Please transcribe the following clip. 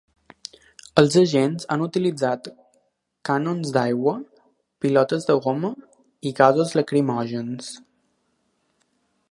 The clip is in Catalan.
Els agents han utilitzat canons d’aigua, pilotes de goma i gasos lacrimògens.